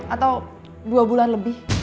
atau dua bulan lebih